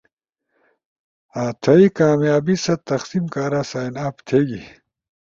تھئی کامیابی ست تقسیم کارا سائن اپ تھیگی